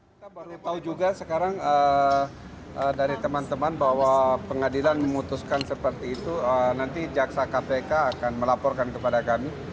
kita baru tahu juga sekarang dari teman teman bahwa pengadilan memutuskan seperti itu nanti jaksa kpk akan melaporkan kepada kami